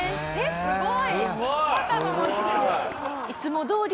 すごい！